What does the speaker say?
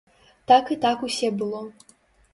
Так і так усе было.